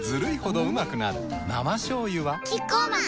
生しょうゆはキッコーマン